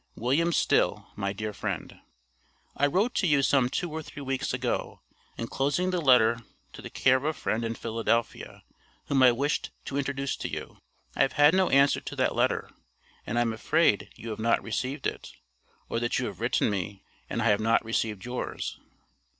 WM. STILL, MY DEAR FRIEND: I wrote to you some two or three weeks ago, enclosing the letter to the care of a friend in Philadelphia, whom I wished to introduce to you. I have had no answer to that letter, and I am afraid you have not received it, or that you have written me, and I have not received yours.